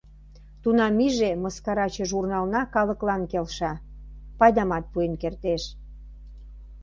Тунам иже мыскараче журнална калыклан келша, пайдамат пуэн кертеш.